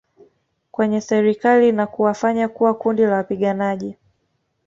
kwenye Serikali na kuwafanya kuwa kundi la wapiganaji